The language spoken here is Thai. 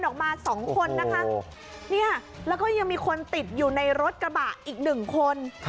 ออกมาสองคนนะคะเนี่ยแล้วก็ยังมีคนติดอยู่ในรถกระบะอีกหนึ่งคน